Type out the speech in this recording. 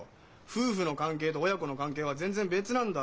夫婦の関係と親子の関係は全然別なんだ。